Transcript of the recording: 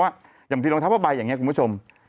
เพราะว่าอย่างบางทีรองเท้าเข้าไปอย่างนี้คุณผู้ชม